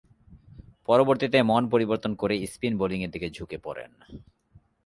পরবর্তীতে মন পরিবর্তন করে স্পিন বোলিংয়ের দিকে ঝুঁকে পড়েন।